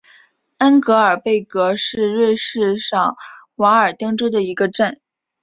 恩格尔贝格是瑞士上瓦尔登州的一个镇。